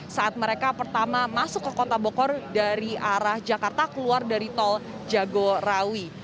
saat mereka pertama masuk ke kota bogor dari arah jakarta keluar dari tol jagorawi